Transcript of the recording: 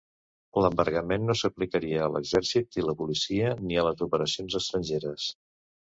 L'embargament no s'aplicaria a l'exèrcit i la policia, ni a les operacions estrangeres.